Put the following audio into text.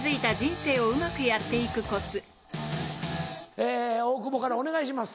え大久保からお願いします。